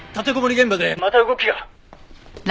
現場でまた動きが。